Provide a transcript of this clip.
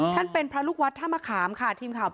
ท่านเป็นพระลูกวัดถ้ามะขามค่ะ